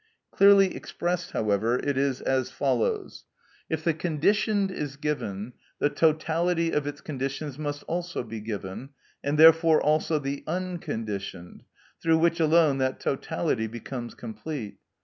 Clearly expressed, however, it is as follows: "If the conditioned is given, the totality of its conditions must also be given, and therefore also the unconditioned, through which alone that totality becomes complete."